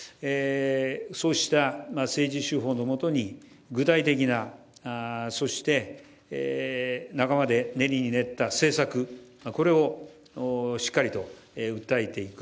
そうした政治手法のもとに具体的なそして、仲間で練りに練った政策これをしっかりと訴えていく。